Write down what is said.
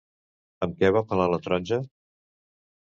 Amb què va pelar la taronja?